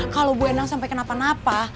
kalau bu endang sampai kenapa napa